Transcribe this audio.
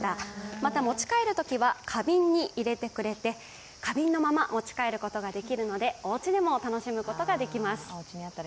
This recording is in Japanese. また、持ち帰るときは花瓶に入れてくれて、花瓶のまま持ち帰ることができるのでおうちでも楽しむことができます。